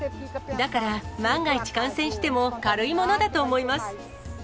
だから、万が一感染しても、軽いものだと思います。